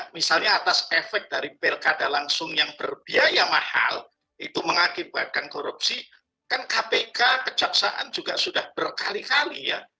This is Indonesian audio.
misalnya atas efek dari pilkada langsung yang berbiaya mahal itu mengakibatkan korupsi kan kpk kejaksaan juga sudah berkali kali ya